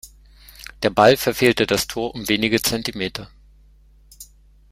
Der Ball verfehlte das Tor um wenige Zentimeter.